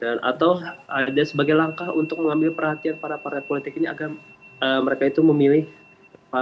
dan atau ada sebagai langkah untuk mengambil perhatian para partai politik ini agar mereka itu memilih pak sandi ini sebagai